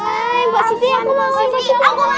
hai mbak siti aku mau